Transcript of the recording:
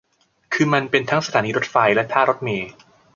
คือมันเป็นทั้งสถานีรถไฟและท่ารถเมล์